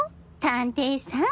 探偵さん。